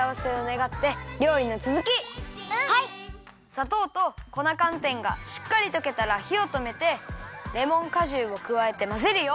さとうと粉かんてんがしっかりとけたらひをとめてレモンかじゅうをくわえてまぜるよ。